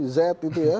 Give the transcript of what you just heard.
z itu ya